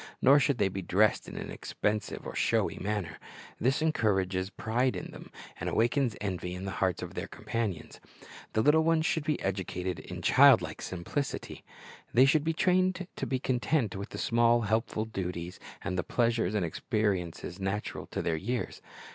Nor should they be dressed in an expensive or showy manner. This encourages pride in them, and awakens envy in the hearts of their companions. The little ones should be educated in childlike simplicity. iLuke 2:40, 52 84 Christ's Object Lessons They should be trained to be content with the small, helpful duties and the pleasures and experiences natural to their years.